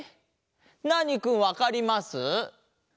ナーニくんわかります？